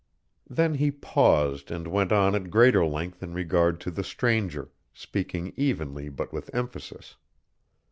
Then he paused and went on at greater length in regard to the stranger, speaking evenly but with emphasis.